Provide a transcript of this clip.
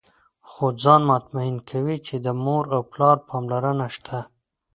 خو ځان مطمئن کوي چې د مور او پلار پاملرنه شته.